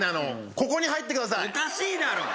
ここに入ってくださいおかしいだろ！